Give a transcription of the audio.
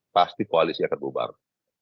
pasti koalisi akan terjadi